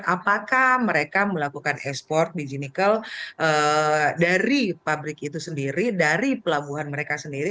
apakah mereka melakukan ekspor biji nikel dari pabrik itu sendiri dari pelabuhan mereka sendiri